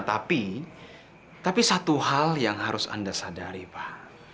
tapi tapi satu hal yang harus anda sadari pak